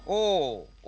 お。